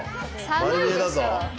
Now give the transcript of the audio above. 丸見えだぞ。